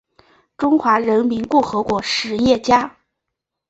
中华人民共和国实业家。